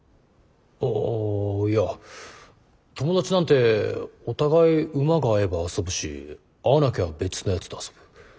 あいや友達なんてお互いウマが合えば遊ぶし合わなきゃ別のやつと遊ぶ。